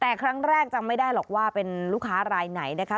แต่ครั้งแรกจำไม่ได้หรอกว่าเป็นลูกค้ารายไหนนะคะ